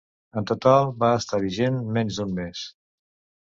En total, va estar vigent menys d'un mes.